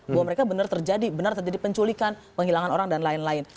bahwa mereka benar terjadi benar terjadi penculikan penghilangan orang dan lain lain